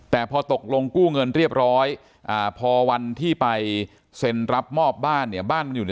แต่พอตกลงกู้เงินเรียบร้อยพอวันที่ไปเซ็นรับมอบบ้านบ้านมันอยู่